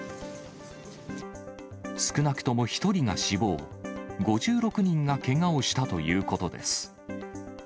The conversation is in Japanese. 少なくとも１人が死亡、５６人がけがをしたということです。